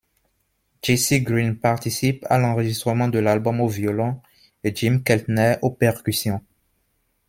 Jessy Greene participe à l'enregistrement de l'album au violon et Jim Keltner aux percussions.